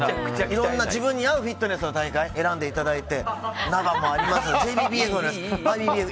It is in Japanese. いろんな自分に合うフィットネスの大会を選んでいただいて。